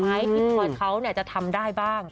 เพราะว่าเขาจะทำได้บ้าง